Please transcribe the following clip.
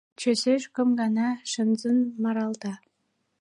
Чӓсеш кым гана шӹнзын мыралта...